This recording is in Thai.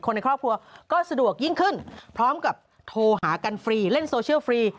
ในครอบครัวก็สะดวกยิ่งขึ้นพร้อมกับโทรหากันฟรีเล่นโซเชียลฟรี